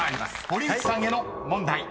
堀内さんへの問題］